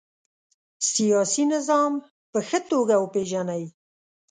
سیاسي نظام په ښه توګه وپيژنئ.